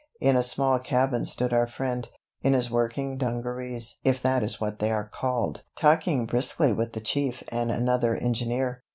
In a small cabin stood our friend, in his working dungarees (if that is what they are called) talking briskly with the Chief and another engineer.